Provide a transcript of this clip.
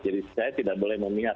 jadi saya tidak boleh memiat